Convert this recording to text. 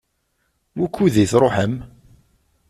Wukud i tṛuḥem?